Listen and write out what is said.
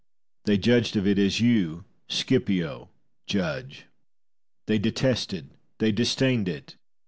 They judged of it as you, Scipio, judge; they detested, they disdained it.